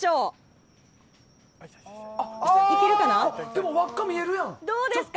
でも輪っか見えるやん。